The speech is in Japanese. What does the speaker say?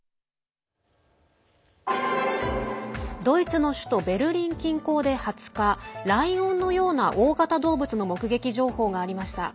ドイツの首都ベルリン近郊で２０日ライオンのような大型動物の目撃情報がありました。